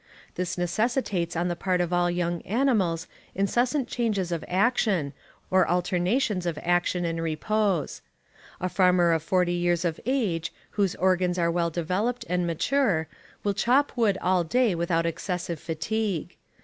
This necessitates on the part of all young animals incessant changes of action, or alternations of action and repose. A farmer of forty years of age, whose organs are well developed and mature, will chop wood all day without excessive fatigue.